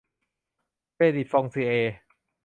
เครดิตฟองซิเอร์